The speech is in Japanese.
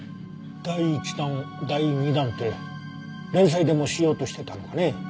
第１弾第２弾って連載でもしようとしてたのかね。